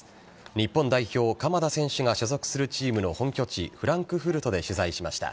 日本代表・鎌田選手が所属するチームの本拠地フランクフルトで取材しました。